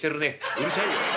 「うるさいよ。